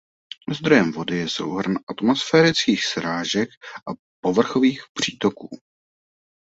Zdrojem vody je souhrn atmosférických srážek a povrchových přítoků.